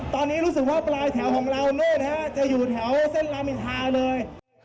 ตอนนี้รู้สึกว่าปลายแถวของเราจะอยู่แถวเส้นรามินทาเลย